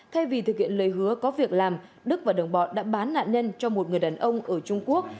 thay vì thực hiện lời hứa có việc làm đức và đồng bọn đã bán nạn nhân cho một người đàn ông ở trung quốc